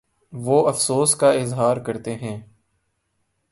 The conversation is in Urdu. وہ افسوس کا اظہارکرتے ہیں